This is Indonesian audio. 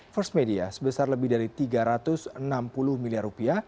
first media sebesar lebih dari rp tiga ratus enam puluh miliar